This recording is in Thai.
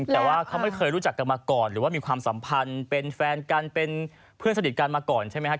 แต่ว่าเขาไม่เคยรู้จักกันมาก่อนหรือว่ามีความสัมพันธ์เป็นแฟนกันเป็นเพื่อนสนิทกันมาก่อนใช่ไหมครับ